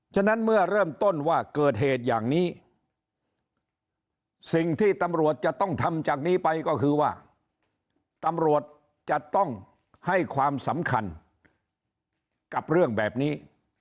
ฉะนั้นเมื่อเริ่มต้นว่าเกิดเหตุอย่างนี้สิ่งที่ตำรวจจะต้องทำจากนี้ไปก็คือว่าตำรวจจะต้องให้ความสำคัญกับเรื่องแบบนี้